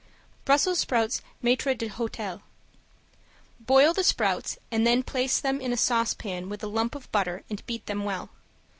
~BRUSSELS SPROUTS MAITRE D'HOTEL~ Boil the sprouts and then place them in a saucepan with a lump of butter and beat them well.